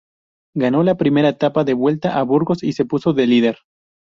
Ganó la primera etapa de la Vuelta a Burgos y se puso de lider.